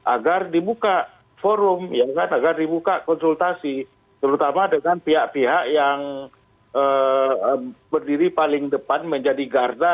agar dibuka forum ya kan agar dibuka konsultasi terutama dengan pihak pihak yang berdiri paling depan menjadi garda